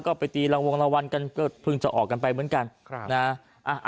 ก็ไปตีลังวงละวัลกันก็เพิ่งจะออกกันไปเหมือนกันครับนะฮะ